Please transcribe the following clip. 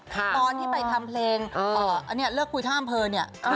ตอนที่ไปทำเพลงเลือกคุยท่าอำเภอนี่